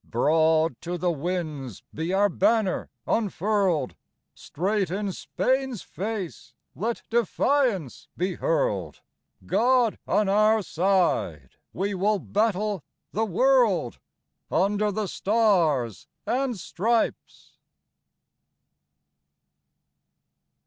Broad to the winds be our banner unfurled! Straight in Spain's face let defiance be hurled! God on our side, we will battle the world Under the stars and stripes!